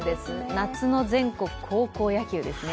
夏の全国高校野球ですね。